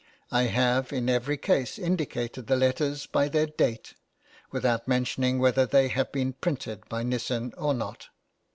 I have in every case indicated the letters by their date, without mentioning whether they have been printed by Nissen or not.